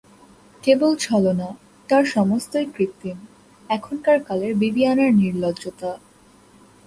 কেবল ছলনা, তার সমস্তই কৃত্রিম– এখনকার কালের বিবিয়ানার নির্লজ্জতা!